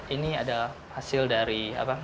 ini ada hasil dari